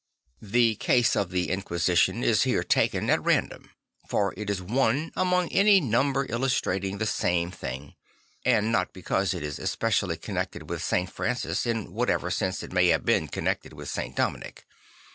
The case of the Inquisition is here taken at random, for it is one among any number illus trating the same thing; and not because it is especially connected with St. Francis, in whatever sense it may have been connected with St. Dominic.